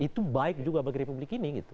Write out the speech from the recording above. itu baik juga bagi republik ini